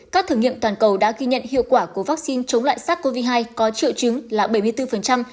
các thử nghiệm toàn cầu đã ghi nhận hiệu quả của vaccine chống lại sars cov hai có triệu chứng là bảy mươi bốn